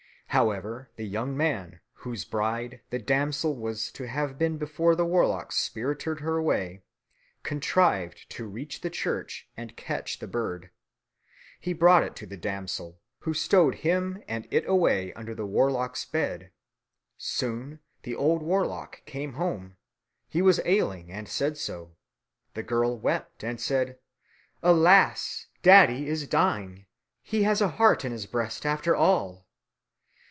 However the young man, whose bride the damsel was to have been before the warlock spirited her away, contrived to reach the church and catch the bird. He brought it to the damsel, who stowed him and it away under the warlock's bed. Soon the old warlock came home. He was ailing, and said so. The girl wept and said, "Alas, daddy is dying; he has a heart in his breast after all."